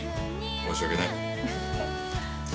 申し訳ない。